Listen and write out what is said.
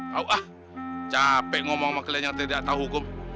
tahu ah capek ngomong sama kalian yang tidak tahu hukum